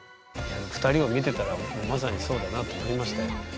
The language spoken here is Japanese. ２人を見てたらまさにそうだなと思いましたよ。